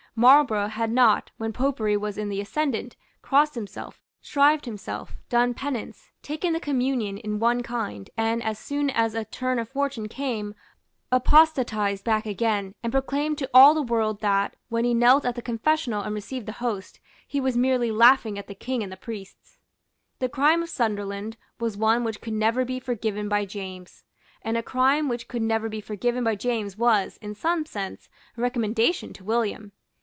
Marlborough had not, when Popery was in the ascendant, crossed himself, shrived himself, done penance, taken the communion in one kind, and, as soon as a turn of fortune came, apostatized back again, and proclaimed to all the world that, when he knelt at the confessional and received the host, he was merely laughing at the King and the priests. The crime of Sunderland was one which could never be forgiven by James; and a crime which could never be forgiven by James was, in some sense, a recommendation to William.